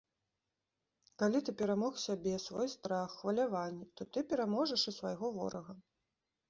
Калі ты перамог сябе, свой страх, хваляванні, то ты пераможаш і свайго ворага.